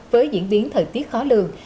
với diễn biến thời tiết khó lường